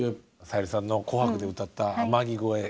さゆりさんの「紅白」で歌った「天城越え」